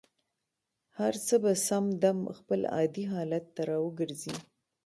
هر څه به سم دم خپل عادي حالت ته را وګرځي.